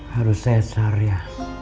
harus sehsar ya